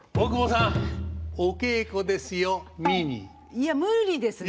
いや無理ですね。